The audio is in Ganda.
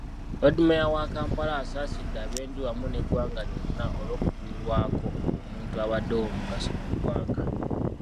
Loodimmeeya wa Kampala, asaasidde ab'enju wamu n'eggwanga lyonna olw'okuviibwako omuntu abadde ow'omugaso mu ggwanga.